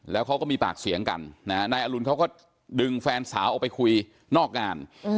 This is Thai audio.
แล้วเขาก็มีปากเสียงกันนะฮะนายอรุณเขาก็ดึงแฟนสาวออกไปคุยนอกงาน